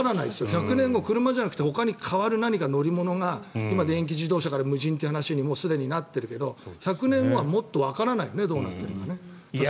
１００年後、車じゃなくてほかに代わる何か乗り物が今、電気自動車から無人という話にすでになってるけど１００年後はもっとどうなっているかわからないよね。